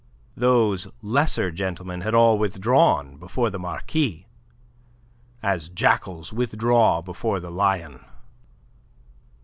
Those lesser gentlemen had all withdrawn before the Marquis, as jackals withdraw before the lion.